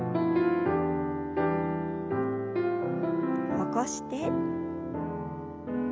起こして。